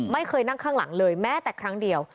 ไม่เคยนั่งข้างหลังเลยแม้แต่ครั้งเดียว